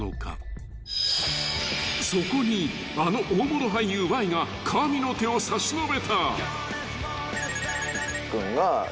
［そこにあの大物俳優Ｙが神の手を差し伸べた］へ！